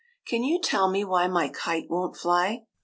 " Can you tell me why my kite won't fly?"